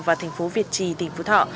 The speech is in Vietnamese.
và thành phố việt trì tỉnh phú thọ